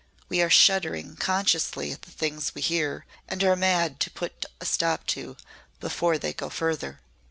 We are shuddering consciously at the things we hear and are mad to put a stop to, before they go further."